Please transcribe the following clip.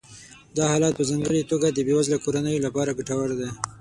دا حالت په ځانګړې توګه د بې وزله کورنیو لپاره ګټور دی